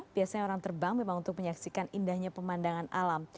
biasanya orang terbang memang untuk menyaksikan indahnya pemandangan alam